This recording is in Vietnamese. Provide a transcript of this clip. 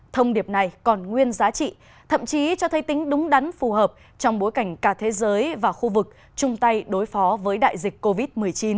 thông điệp này còn nguyên giá trị thậm chí cho thấy tính đúng đắn phù hợp trong bối cảnh cả thế giới và khu vực chung tay đối phó với đại dịch covid một mươi chín